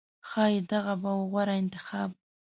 ښایي دغه به و غوره انتخاب